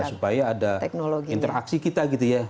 supaya ada interaksi kita gitu ya